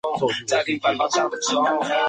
他居墓下。